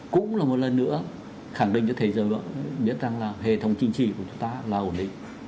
cũng là một lần nữa khẳng định cho thế giới biết rằng là hệ thống chính trị của chúng ta là ổn định